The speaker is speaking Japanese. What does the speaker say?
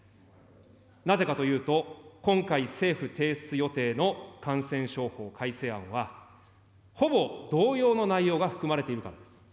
なぜかというと、今回、政府提出予定の感染症法改正案は、ほぼ同様の内容が含まれているからです。